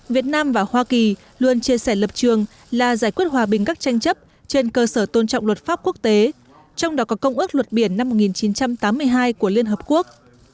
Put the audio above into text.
việt nam và hoa kỳ luôn chia sẻ lập trường là giải quyết hòa bình các tranh chấp trên cơ sở tôn trọng luật pháp quốc tế trong đó có công ước luật biển năm một nghìn chín trăm tám mươi hai của liên hợp quốc